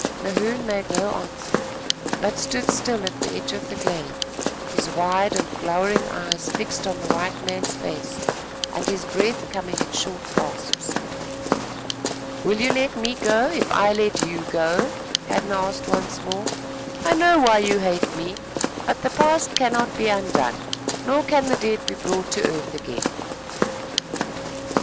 Nahoon made no answer, but stood still at the edge of the glade, his wild and glowering eyes fixed on the white man's face and his breath coming in short gasps. "Will you let me go, if I let you go?" Hadden asked once more. "I know why you hate me, but the past cannot be undone, nor can the dead be brought to earth again."